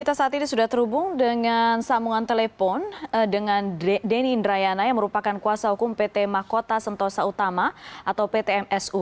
kita saat ini sudah terhubung dengan sambungan telepon dengan denny indrayana yang merupakan kuasa hukum pt mahkota sentosa utama atau pt msu